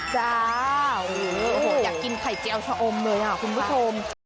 จ๊าาาาาอยากกินไข่เจียวชะอมเลยคุณผู้ชม